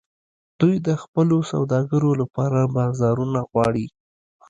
دوی د خپلو سوداګرو لپاره بازارونه غواړي